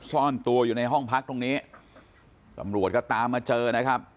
ซ่อนตัวอยู่ในห้องพักตรงนี้ตำรวจก็ตามมาเจอนะครับ